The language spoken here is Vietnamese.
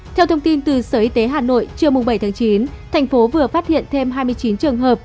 theo thông tin từ sở y tế hà nội trưa bảy tháng chín thành phố vừa phát hiện thêm hai mươi chín trường hợp